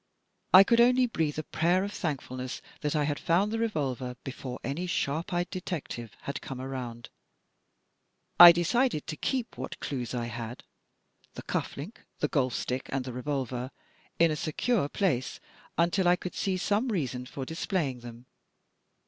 I could only breathe a prayer of thankfulness that I had found the revolver before any sharp eyed detective had come around. I decided to keep what clues I had, the cuff link, the golf stick and the revolver, in a secure place until I could see some reason for dis playing them.